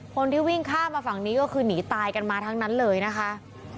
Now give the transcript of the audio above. คนที่วิ่งข้ามมาฝั่งนี้ก็คือหนีตายกันมาทั้งนั้นเลยนะคะ